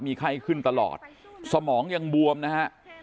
ไข้ขึ้นตลอดสมองยังบวมนะฮะ